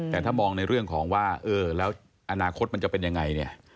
แต่ถ้ามองในเรื่องของว่าเออแล้วอนาคตมันจะเป็นยังไงเนี่ย